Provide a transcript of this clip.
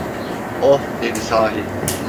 "Oh!" dedi, "Sahi…"